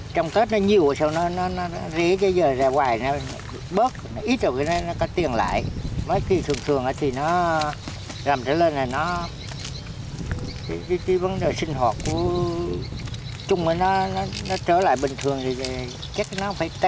trung bình nó trở lại bình thường thì chắc nó phải tăng lên